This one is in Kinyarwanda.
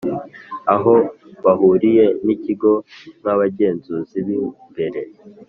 Aho bahuriye n ikigo nk abagenzuzi b imbere